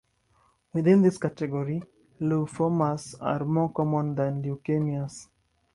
Within this category, lymphomas are more common than leukemias.